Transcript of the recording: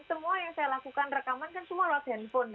semua yang saya lakukan rekaman kan semua lewat handphone